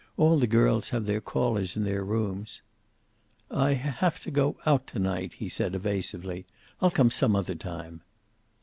All the girls have their callers in their rooms." "I have to go out to night," he said evasively. "I'll come some other time."